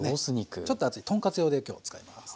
ちょっと厚い豚カツ用で今日は使います。